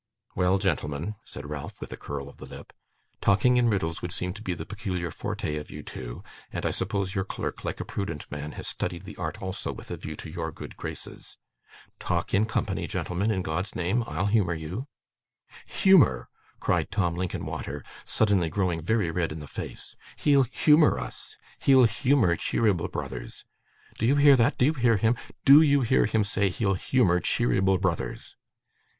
'Well, gentlemen,' said Ralph with a curl of the lip, 'talking in riddles would seem to be the peculiar forte of you two, and I suppose your clerk, like a prudent man, has studied the art also with a view to your good graces. Talk in company, gentlemen, in God's name. I'll humour you.' 'Humour!' cried Tim Linkinwater, suddenly growing very red in the face. 'He'll humour us! He'll humour Cheeryble Brothers! Do you hear that? Do you hear him? DO you hear him say he'll humour Cheeryble Brothers?